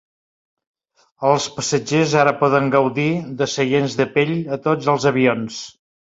Els passatgers ara poden gaudir de seients de pell a tots els avions.